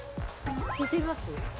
聞いてみます？